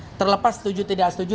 tidak terlepas setuju tidak setuju